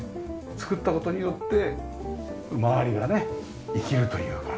作った事によって周りがね生きるというか。